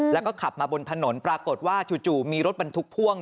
แล้วก็ขับมาบนถนนปรากฏว่าจู่มีรถบรรทุกพ่วง